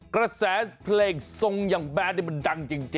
กระแสเพลงทรงอย่างแบนนี่มันดังจริง